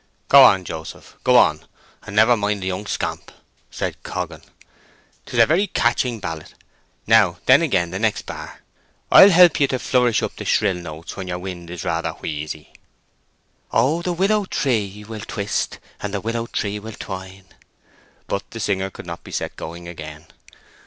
"Go on, Joseph—go on, and never mind the young scamp," said Coggan. "'Tis a very catching ballet. Now then again—the next bar; I'll help ye to flourish up the shrill notes where yer wind is rather wheezy:— Oh the wi′ il lo′ ow tree′ will′ twist′, And the wil′ low′ tre′ ee wi′ ill twine′. But the singer could not be set going again.